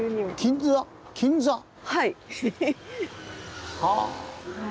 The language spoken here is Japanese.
はい。